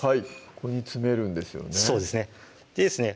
ここに詰めるんですよね